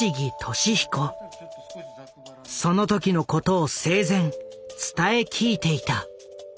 その時のことを生前伝え聞いていた。